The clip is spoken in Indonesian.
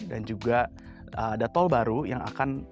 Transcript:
dan juga ada tol baru yang akan